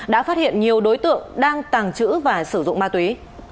đã phát hiện nhiều đối tượng đang tàng trữ và sử dụng ma túy